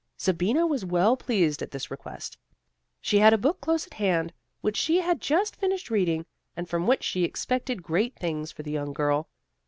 Sabina was well pleased at this request. She had a book close at hand, which she had just finished reading, and from which she expected great things for the young girl.